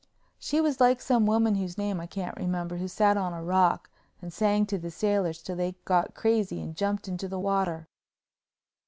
She was like some woman whose name I can't remember who sat on a rock and sang to the sailors till they got crazy and jumped into the water.